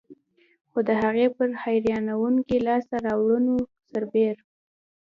خو د هغې پر حیرانوونکو لاسته راوړنو سربېر.